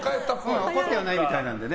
怒ってはないみたいなので。